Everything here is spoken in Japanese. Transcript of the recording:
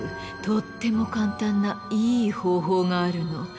とっても簡単ないい方法があるの。